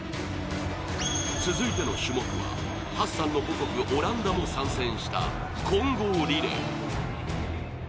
続いての種目はハッサンの母国オランダも参戦した混合リレー。